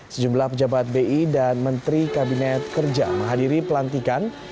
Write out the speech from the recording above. sejumlah pejabat bi dan menteri kabinet kerja menghadiri pelantikan